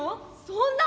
「そんな！